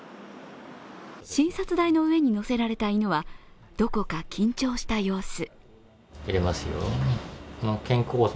診察台の上に乗せられた犬は、どこか緊張した様子。